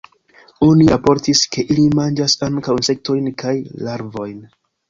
Oni raportis, ke ili manĝas ankaŭ insektojn kaj larvojn.